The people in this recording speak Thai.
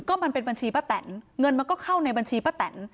ก็มันเป็นบัญชีป้าแตนเงินมันก็เข้าในบัญชีป้าแตน